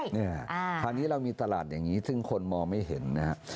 เนี่ยคราวนี้เรามีตลาดอย่างนี้ซึ่งคนมองไม่เห็นนะครับ